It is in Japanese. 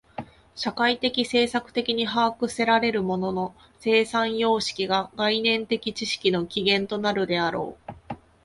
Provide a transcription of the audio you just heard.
社会的制作的に把握せられる物の生産様式が概念的知識の起源となるのであろう。